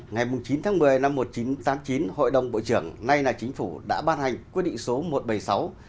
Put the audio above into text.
ngày chín tháng một mươi năm một nghìn chín trăm tám mươi chín hội đồng bộ trưởng nay là chính phủ đã ban hành quyết định số một trăm bảy mươi sáu